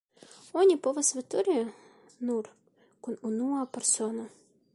Oni povas veturi nur kun unua persono.